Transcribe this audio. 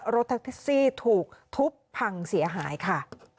รถแท็กซี่ถูกทุบพังเสียหายค่ะ